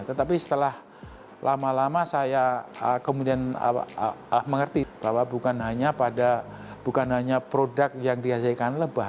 tetapi setelah lama lama saya kemudian mengerti bahwa bukan hanya produk yang dihasilkan lebah